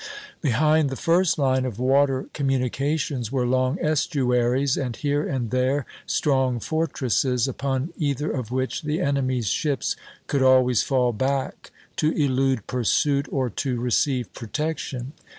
Behind the first line of water communications were long estuaries, and here and there strong fortresses, upon either of which the enemy's ships could always fall back to elude pursuit or to receive protection.